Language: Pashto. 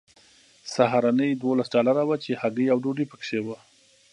سهارنۍ دولس ډالره وه چې هګۍ او ډوډۍ پکې وه